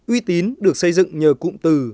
uy tín được xây dựng nhờ cụm từ